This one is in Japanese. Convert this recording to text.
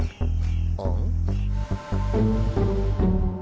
あん？